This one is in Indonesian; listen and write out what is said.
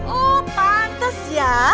oh pantes ya